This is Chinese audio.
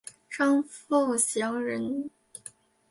张凤翙人。